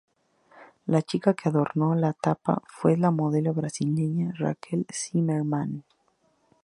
La chica que adornó la tapa fue la modelo brasileña Raquel Zimmermann.